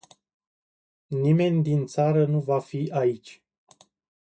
Nimeni din țară nu va fi aici.